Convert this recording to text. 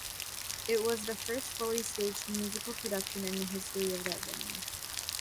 It was the first fully staged musical production in the history of that venue.